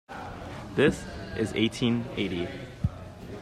This is eighteen eighty.